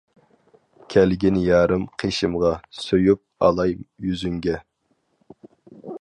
كەلگىن يارىم قېشىمغا، سۆيۈپ ئالاي يۈزۈڭگە.